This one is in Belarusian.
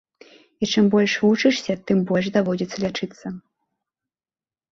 І чым больш вучышся, тым больш даводзіцца лячыцца.